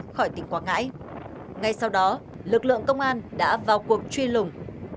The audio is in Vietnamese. khỏi tỉnh quảng ngãi ngay sau đó lực lượng công an đã vào cuộc truy lùng